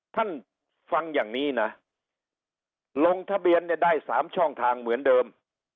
ท่านฟังอย่างนี้นะลงทะเบียนเนี่ยได้๓ช่องทางเหมือนเดิม